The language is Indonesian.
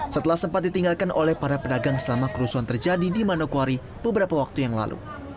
setelah sempat ditinggalkan oleh para pedagang selama kerusuhan terjadi di manokwari beberapa waktu yang lalu